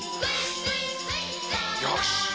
よし！